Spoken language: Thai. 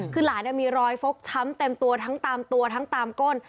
คือหลานมีรอยฟกช้ำเต็มตัวทั้งตามตัวทั้งตามก้น